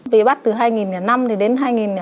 vì bắt từ hai nghìn năm thì đến hai nghìn bảy